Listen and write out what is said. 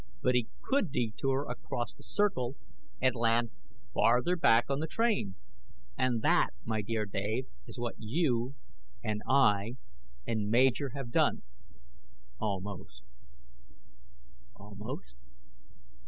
But he could detour across the circle and land farther back on the train! And that, my dear Dave, is what you and I and Major have done almost." "Almost?"